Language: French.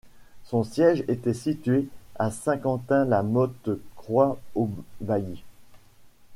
Son siège était située à Saint-Quentin-la-Motte-Croix-au-Bailly.